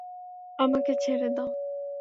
আমাকে ছেড়ে দাও।